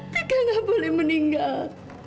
tika nggak boleh meninggal